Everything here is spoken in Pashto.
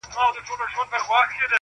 درې څلور یې وه بچي پکښي ساتلي -